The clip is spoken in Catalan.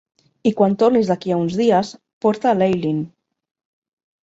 I quan tornis d'aquí a uns dies, porta l'Eileen.